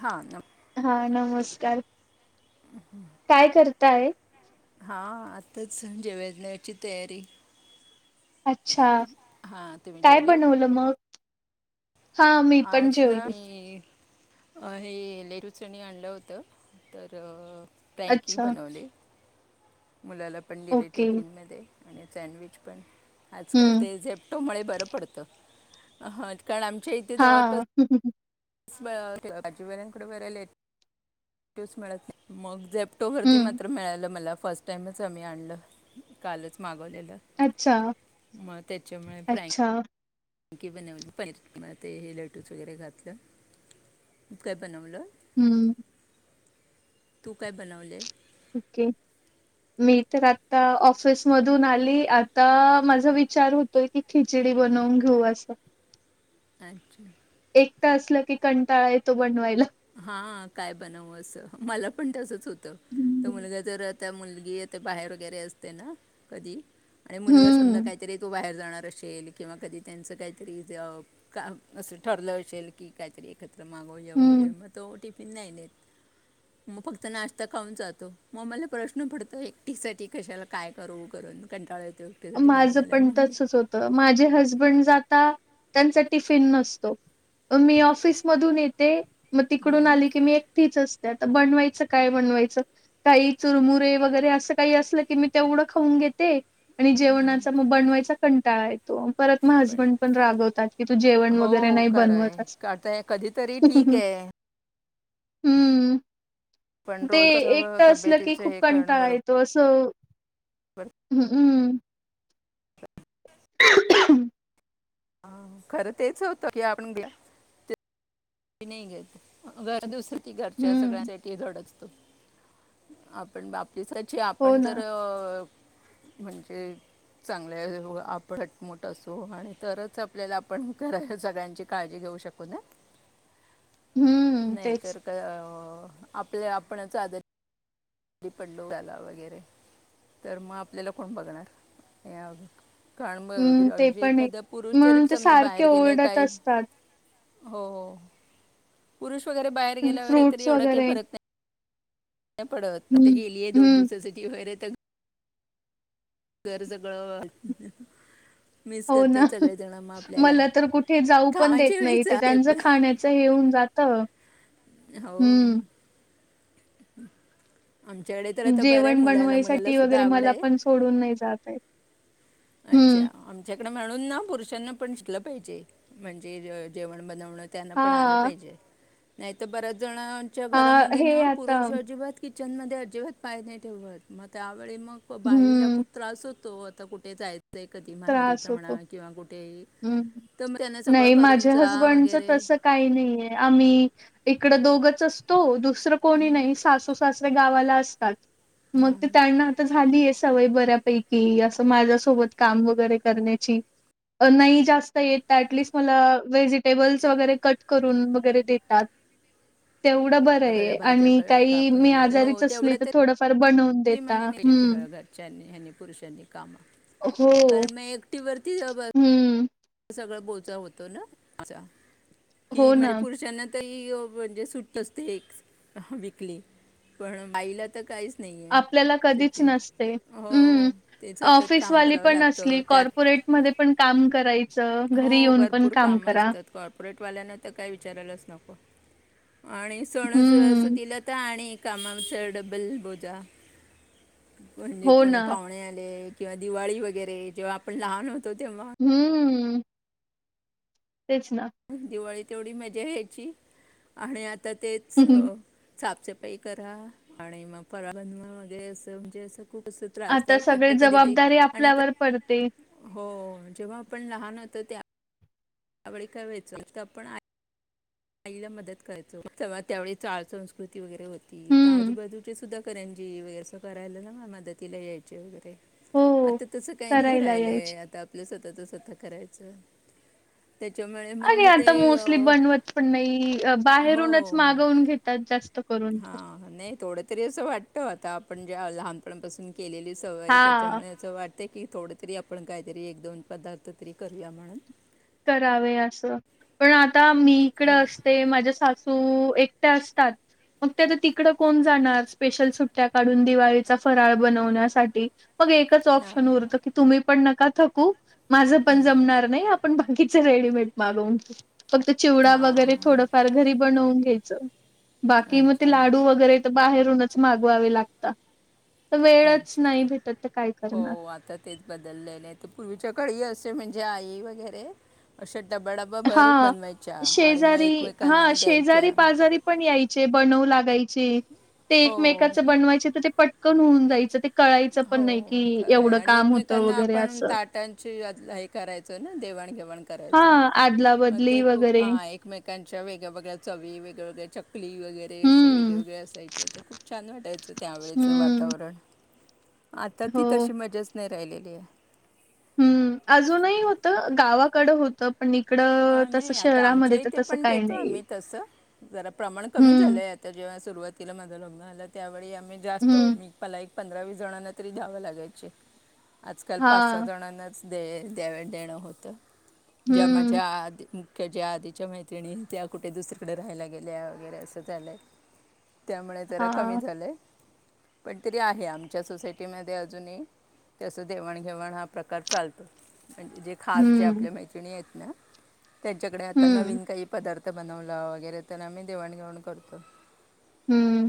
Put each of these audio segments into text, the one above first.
हा हा नमस्कार काय करताय हां आताच सं जेवेजण्याची तयारी अच्छा हां तुम्ही काय जेवले बनवलं मग हा मी पण आज ना जेवली मी हे लेहरू चणी आणलं होतं तर फ्रँकी अच्छा बनवले मुलाला पण दिले ओके टिफिनमध्ये आणि सँडविच पण आजकाल हम्म ते झे मुळे बरं पडतं कारण आमच्या इथे हा जवळपास सज वेल्या कडे बरले च्यूस मत मग झप ऑक्टोबरती हम्म मात्र मिळालं मला फर्स्ट टाईमच आम्ही आणलं कालच माग अच्छा म त्याच्यामुळे फ्रँकी अच्छा कीी बनवली पनीर ते हे लटूस वगैरे घातलं काय बनवलं हम्म तू काय बनवले ओके मी तर आता ऑफिसमधून आली आता माझा विचार होतोय की खि बनवून घेऊ असं अच्छा एकट असलं की कंटाळा येतो बनवायला हा काय बनव असं मला पण तसच होतं तर हम्म मुलगा जर मुलगी बाहेर वगैरे असते ना कधी आणि मुलगा समजा हम्म काहीतरी तू बाहेर असेल किंवा कधी त्यांच काहीतरी अस ठरलं असेल की काहीतरी एखा मागोया हम्म. वगैरे मग त ओ टीफीन नाही नाही मग फक्त नाश्ता खाऊन जातो मग मला प्रश्न पडतो एकटीसाठीठी कशाला काय करू करू कंटाळा येतो एकटीसाठी माझं बनवायला पण मग मी तसच होतं माझे हसबंड जाता त्यांचा टिफिन नसतो मी ऑफिसमधून येते मग तिकडून आली की मी एकटीच असतात बनवायचं काय बनवायचं काही चुरमुुरे वगैरे असं काही असलं की मी तेवढं खाऊन घेते ते आणि जेवणाचा मग बनवायचा कंटाळा येतो परत म हसबंड पण रागवतात की तू जेवण वगैरे हो नाही खरंय बनवत अस आता कधीतरी ठीक आहे हम्म पण ते रोज असं एकट असलं की तब्येतीचं खूप हे करणं कंटाळा बरोबर येतो असं. हम् हम्म [inaudible] हा खरं तेच होतं कि आपण नई घेत घरात दुसर ती घरच्या हम्म सगळ्यांसाठी रडत. आपण बापीसाची हो आपण जर ना म्हणजे चांगले आप हटमुट असो आणि तरच आपल्याला आपण घरात सगळ्यांची काळजी घेऊ. घेऊ शकू ना. हम्म नाही तेच तर काय आपल्या आपणच आजारी री पडलो वगैरे तर मग आपल्याला कोण बगणार या अ खण बग बद हम्म ते आमच पण आहे. एखादा पुरुष ब जरी म्हणून ते समजा सारखे बाहेर गेलेय ओरडत काही असतात. हो हो पुरुष वगैरे बाहेर गेल्यावर फ्रूट्स तरी एवढा काय वगैरे फरक नाई नाई पडत कुट हम्म गेलीय दोन हम्म दिवसाठी व्हय रे तग घर सगळं मिस हो ना करतात सगळेजण मग आपल्याला मला तर कुठे जाऊ पण देत कामाच्या नाई वेळीच इथ हा ते त्यांच पण खाण्याच हे उन जात. हो हम्म जेवण बनवायसाठी वगैरे सुद्धा आवड मला आहे पण सोडून नाई जात येत. अच्छा आमच्याकडे म्हणून ना पुरुषांना पण शिकलं पाहिजे म्हणजे जेवण बनवन. ण त्यांना पण आल हा पाहीजे. नाहीतर बऱ्याच णांच्या हा घरामध्ये हे ना आता पुरुष अजिबात किचन मद्ये अजिबात पाय नाई ठेवत मग त्याव वेळी मग बाईला हम्म खूप त्रास होतो आता कुठे जायच. य कधी माहेरीच म्हणा किंवा कुठेही. हम हम तर मग त्यांना सगळं नाई करून माझ्या जा हजबंडच वगैरे तस काई नाईय आम्ही इकड दोगच असतो दुसरं कोणी नाही सासू सासरे गावाला असतात. म ते त्यांना आता झालीय स सवय बऱ्यापैकी असं माझ्यासोबत काम वगैरे करण्याची. नाही जास्त येत ऍटलिस्ट मला व्हेजिटेबल्स वगैरे कट करून वगैरे देतात. तेवढं सगळ्या बरंय भाज्या आणि क- काई कापून मी आजारीच असली तर थोडंफार बनव कधी म्हणजे नेली घर घरच्यांनी पुरुषांनी काम हो कारण मी एकटि वरती अब हम्म सगळा बोजा होतो ना चा की हो म्हणजे ना. पुरुषांना म्हणजे सुट असते एक विइकली पण बाईला तर काहीच नाई. आपल्याला कदीच नसते हम्म हो ते सतत काम ऑफिसवाली करावं पण असली लागतं त्यात कॉपोर्रेट मधे पण काम कराय हो भरपूर काम असतात कॉर्पोरेट वाल्यांना तर काय विचारायलाच नको. आणि सण हम्म. सणासुदीला तर आणि कामाच डब्बल बोजा. म्हणजे हो कोणी ना. पाहुणे आले किंवा दिवाळी वगैरे जेव्हा आपण लहान हो हम्म तेच ना दिवाळीत एवढी मजा या्यची आणि आता तेच सापचेप. पइ करा आणि मग परातन वगैरे असं म्हणजे अस खूप अस आता त्रासदायत वाटत सगळी कधी कधी जबाबदारी आणि का आपल्यावर पडते. [inaudible] [inaudible] हो जेव्हा आपण लहान होतो त्या त्यावेळी काय व्हायचं आता आपण आई आईला मदत करायचो तेवा त्यावेळी चाळ संस्कृती वगैरे होती तर हम्म. आजूबाजूचे सुद्धा करं जी वगैरे असं करायला ना मदतीला यायचे वगैरे. हो. आता तसं काही नाही करायला यायची. राहिलंय आता आपलं स्वतःच स्वत करायचं. त्याच्यामुळे मग ते अ नही बाहेरूनच मागवून घेतात जास्त. करून तर. हा नाही थोड तरी असं वाटत आता. आपण जेव्हा लहानपणापासून केलेली सवय आहे हा. त्याच्यामुळेंच असं वाटत की ते की थोड तरी आपण काहीतरी एक, दोन पदार्थ तरी करूया म्हणून. करावे असं, पण आता मी इकड हो असते माझ्या सासू हो एकट्या असतात. मग ते तर तिकडं कोण जाणार स्पेशल सुट्ट्या काढून दिवाळीचा फराळ बनवण्यासाठी. मग एकच ऑप्शन हां उरतं की, तुम्ही पण नका थकू, माझ पण जमणार नाही. आप बाकीचं रेडीमेड मागवून घेऊ. फक्त चिवडा वगैरे हां थोडंफार घरी बनवून घ्यायचं. बाकी मग ते अच्छा लाडू वगैरे तर बाहेरूनच मागवावे लागतात. अच्छा, [inaudible] हो आता तेच बदललेलं आहे. तर पूर्वीच्या काळी कस म्हणजे आई वगैरे चट हा मग शेजारी हा एकमेकांना द्यायच्या शेजारी-पाजारी पण यायचे बनवून लागायचे. ते हो एकमेकाचं बनवायचे तर ते पटकन होऊन जायचं. ते कळायचं पण हो नाही की खरं आहे. एवढं आणि काम होतं एकमेकांना वगैरे आपण असं ताटांची अदला हे करायचो ना देवाण-घेवाण. हा करायचो आदला-बदली वगैरे. त्यांच्या वेगळ्या-वेगळ्या चवी वेगवेगळ च कली वगैरे असे हम्म वेगळेवेगळे असायचे. ते खूप छान वाटायचं त्यावेळेचं हम्म वातावरण. आता ती हो. तशी मजाच नाही राहिलेली आहे. हम्म, अजूनही होतं गावाकडं होतं. पण इकडं हा तसं नाही आता आमच्या शहरामध्ये तर इथे तसं पण काही देतो नाही. आम्ही तसं, जरा प्रमाण कमी हम्म झालंय आ तर जेव्हा सुरुवातीला माझं लग्न आलं त्यावेळी आम्ही जास्त हम्म [unintelligible] पंधरा, विस जणांना तरी द्यावं लागायचे. आजकाल हा पाच, सहा जणांनाच दे द्यावे देणं होतं जे माझ्या हम्म आधी मुख्य ज्या आधीच्या मैत्रिणी त्या कुठे दुसरीकडे राहायला गेल्या वगैरे असं झालंय. त्यामुळे जरा हा कमी झालंय. पण तरी आहे आमच्या सोसायटीमध्ये अजूनही तस देवाणघेवाण हा प्रकार चालतो. म्हणजे जे खास जे हम्म आपल्या मैत्रिणी आहेत ना. त्यांच्याकडे आता हम्म नवीन काही पदार्थ बनवला वगैरे तर आम्ही देवाणघेवाण करतो. हम्म.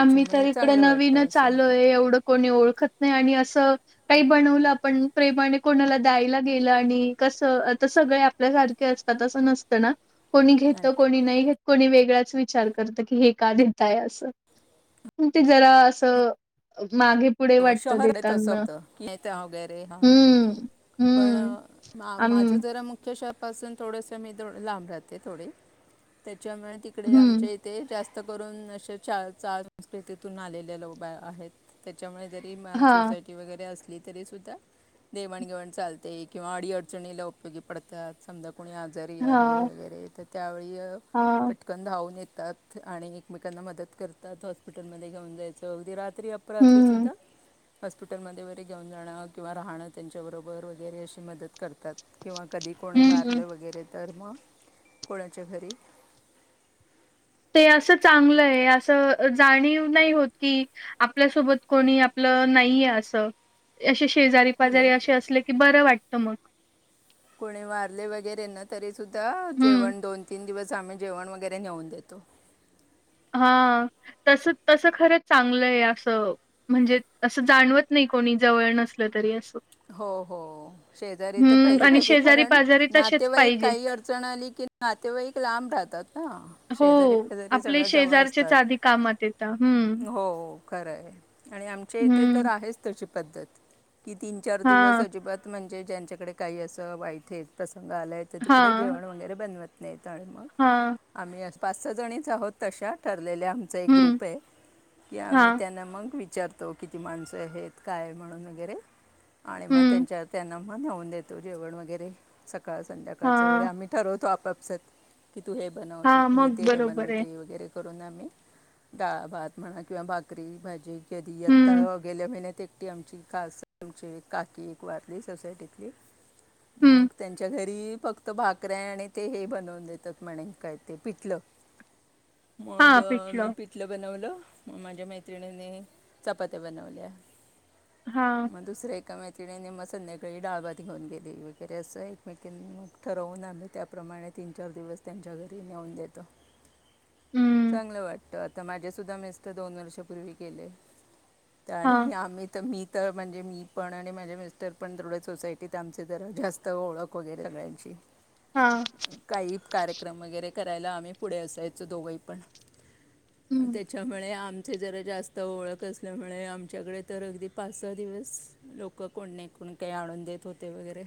आम्ही तर इकडे चांगलं वाटतं नवीनच असं आलोय. एवढं कोणी ओळखत नाही. आणि असं काही बनवलं आपण प्रेमाने कोणाला द्यायला गेलं आणि कसं आता सगळे आपल्यासार खे असतात असं नसतं ना? कोणी घेतंल अच्छा. कोणी नाही घेत. कोणी वेगळाच विचार करतात कि हे का देताय असं, ते जरा असं मागे पुढे हो वाटतं शहर हाय तसं देताना होतं की [unintelligible] वगैरे ह हम्म. पण हम्म हा आम माझं जरा मुख्य श पासून थोडस मी थोडी लांब राहते थोडी. त्याच्यामुळे तिकडे हम्म आमच्या इथे जास् त करून अशे चार चाळ संस्कृतीतून आलेले लोक आहेत त्याच्यामुळे तरी मला हा सोसायटी वगैरे अस तरी सुद्धा देवाणघेवाण चालतंय. किंवा अडी अडचणीला उपयोगी पडतात. समजा कोणी आजारी आहे हा वगैरे तर त्यावेळी अ हा पटकन धावून येत तात. आणि एकमेकांना मदत करतात. हॉस्पिटलमध्ये घेऊन जायचं अगदी रात्री अपरात्री हम्म सुद्धा हॉस्पिटलमध्ये वगैरे घेऊन जाणं किंवा राहणं त्यांच्याबरोबर वगैरे अशी मदत करता त किंवा कधी कोणी हम्म. वारलं वगैरे तर मग कोणाच्या घरी? [inaudible] ते असं चांगलंय अस जाणीव नाही होत की आपल्यासोबत कोणी आपलं नाही ना. की अस. अशे शेजारी-पाजारी हॅलो असे असले की बर वाटत मग. कुणी मारले वगैरे ना तरी सुद्धा हम्म. जेवण दोन, तीन दिवस चं आम्ही जेवण वगैरे नेऊन देतो. [inaudible] हा तस तस खरं चांगलंय अस म्हणजे असं जाणवत नाही. कोणी जवळ नसल तरी अस हो हो शेजारी तर हम्म पहिले आणि पाहिजे शेजारी कारण पाजारी तसेच नातेवाईक पाहिजे. काही अडचण आली की ना नातेवाईक लांब राहतात. ना हो शेजारी पेजारी आपले सगळं जवळ शेजारचेच असतात आधी कामात येत हम्म. खरय आणि आमचे इथे तर आहेच तशी पद्धत कि तीन चार दिवस हां. अजिबात म्हणजे ज्यांच्याकडे काही असं वाईट आहे तस आलाय तर तिकडे हां. जेवण वगैरे बनवत नाहीत आणि मग हां. आम्ही अस पाच सहा जणीच आहोत तशा ठरलेल्या आमचा एक हं. ग्रुप आहे की आम्ही हां. त्यांना मग वि चारतो किती माणसं आहेत काय म्हणून वगैरे. आणि मग हं. त्यांच्यावर त्यांना मग लावून देतो जेवण वगैरे स काळ संध्याकाळच वगैरे हां. आम्ही ठरवतो आपापसात. की तू हे बनवतो हां. मी मग ते हे बरोबर आहे. बनवते वगैरे. करून आम्ही डाळ, भात म्हणा किंवा भाकरी, भाजी कधी हं. यत्ता गेल्या महिन्यात एकटी आमची कास तुमची काकी एक वारली सोसायटीतली मग हं, त्यांच्या घरी फक्त भाकऱ्या आणि ते हे बनवून देतात म्हणे काय ते पिटलं. मग मी पिठलं बनवलं. मग माझ्या मैत्रिणीनी चपात्या बनवल्या. हां, मग दुसरे एका मैत्रिने मग संध्याकाळी डाळ भात घेऊन गेली वगैरे असं एकमेक मग ठरवून आम्ही त्याप्रमाणे तीन चार दिवस त्यांच्या घरी नेऊन देतो. [inaudible] हं, चांगलं वाटत आता माझ्या सुद्धा मिस्टर दोन वर्षापूर्वी गेले. हां, आणि आम्ही तर मी तर म्हणजे मी पण आणि माझे मिस्टर पण तेवढ्या सोसायटीत आमचे ज जास्त ओळख वगैरे सगळ्यांची. हां, काही कार्यक्रम वगैरे करायला आम्ही पुढे असायचो दोघंही पण हं, त्याच्यामुळे आम चं जरा जास्त ओळख असल्यामुळे आमच्याकडे तर अगदी पाच सहा दिवस लोकं कोण नाही कोण काही आणून देत होते वगैरे.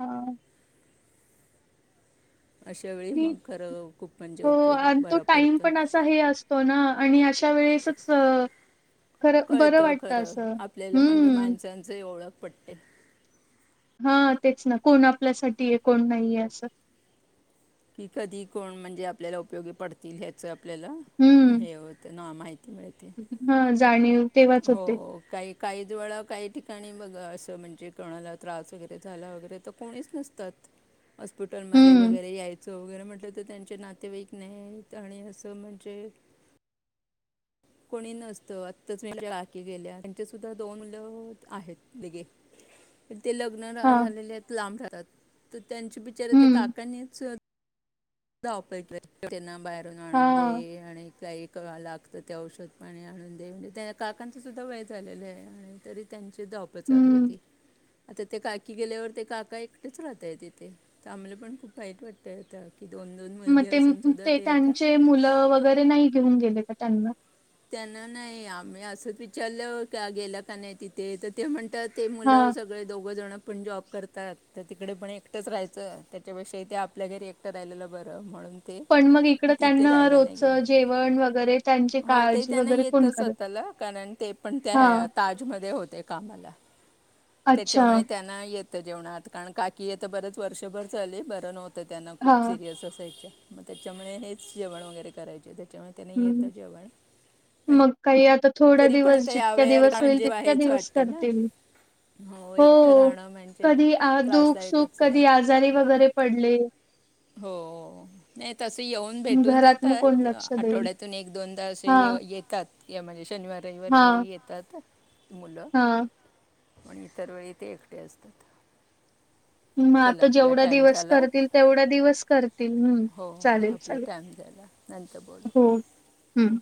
हा. अशा वेळी मग खरं खूप म्हणजे हो उपयोग आणि तो बरा टाईम पडतो पण असा असतो ना आणि अशा अशा वेळेसच खरं बरं कळतं वाटतं खरं असं. आपल्याला म्हणजे हं, माणसांचही ओळख पडते. हा तेच ना कोण आपल्यासाठी आहे कोण नाहीय असं. कि कधी कोण म्हणजे आपल्याला उपयोगी पडतील ह्याच आपल्याला हेत ना माहि हा जाणीव. तेव्हाच हो होते. काही काही ज वेळा काही ठिकाणी बघ असं म्हणजे कोणाला त्रास वगैरे झाला वगैरे तर कोणीच नसतात. हॉस्पिटलमध्ये हं, वगैरे याय चं वगैरे म्हटलं तर त्यांचे नातेवाईक नाहीत आणि असं म्हणजे कोणी नसतं आत्ताच एक काकी गेल्या त्यांचे सुद्धा दोन मुलं आहेत निगे ते लग्न हां, झालेले आहेत लांब राहतात. त्यांच्या बिचाऱ्या त्या हं, काकानीच [unintelligible] त्यांना बाहेरून आणून हां, दे आणि काही कवा ला फक्त ते औषध पाणी आणून दे म्हणजे त्या काकांचं सुद्धा वय झालेलं आहे आणि तरी त्यांनी ते धावपळ चालू हं. होती. आता ते काकी गेल्यावर ते काका एकटेच राहत आहे तिथे तर आम्हाला पण खूप माहीत वाटतंय त्या मग ते ते त्यांचे मुलं वगैरे नाही घेऊन गेले का त्यांना? त्यांना नाही आम्ही असंच विचारलं का गेलं का नाही तिथे तर ते म्हणतात ते मुलं हां. सगळे दोघं जण पण जॉब करतात, तर तिकडे पण एकटंच राहायचं त्याच्यापेक्षा इथे आपल्या घरी एकटं राहिलेलं बरं म्हणून, ते पण मग इकड तिथे त्यांना राहायला नाही रोजच गेले जेवण वगैरे त्यांची हो ते काळजी, त्यांना वगैरे कोण येतच करत? होताल कारण, ते पण त्या ह्या हां. ताजमध्ये होते कामाला. अच्छा. त्याच्यामुळे त्यांना येतं जेवणात कारण काकी येत बरंच वर्षभर झाले, बरं नव्हतं त्यांना खूप हां. सिरियस असायचे. मग त्याच्यामुळे हेच जेवण वगैरे करायचे त्याच्यामुळे त्यांना हं. येतं जेवण. पण मग काही आता थोड्या तरी पण दिवस आता जितक्या यावेळी दिवस होईल म्हणजे तितक्या हेच दिवस वाटतं ना करतील. एकटं हो राहणं म्हणजे कधी आ दुख सुख त्रासदायकच आहे कधी आजारी वगैरे पडले. हो नाही तस ते येऊन भेटून घरात मग कोण जातात लक्ष देईल? आठवड्यातून एक, दोनदा अस हां. येऊ येतात ये शनिवार, रविवार हां. येतात ना मुलं. हां. पण इतर वेळी ते एकटे असतात. म चला आता आपला जेवढा टाईम दिवस झाला करतील, तेवढा दिवस करतील, हम्म! हो चालेल, आपला चालेल. टाईम झाला नंतर बोलू. हम्,